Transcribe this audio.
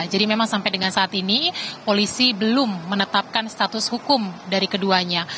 jadi memang sampai dengan saat ini polisi belum menetapkan status hukum dari keduanya